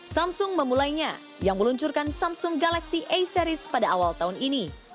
samsung memulainya yang meluncurkan samsung galaxy a series pada awal tahun ini